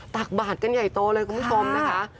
ตักบาทกันใหญ่โตเลยคุณผู้ชมนะคะ